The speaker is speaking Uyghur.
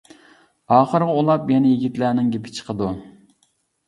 ئاخىرىغا ئۇلاپ يەنە يىگىتلەرنىڭ گېپى چىقىدۇ.